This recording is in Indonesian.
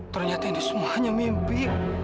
ternyata ini semuanya mimpi